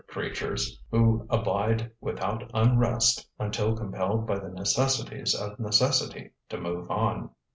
creatures who abide without unrest until compelled by the necessities of necessity to "move on."